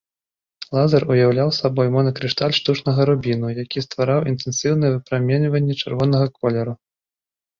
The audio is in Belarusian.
Лазер уяўляў сабой монакрышталь штучнага рубіну, які ствараў інтэнсіўнае выпраменьванне чырвонага колеру.